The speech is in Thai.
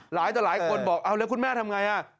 หลายต่อหลายคนบอกแล้วคุณแม่ทำอย่างไร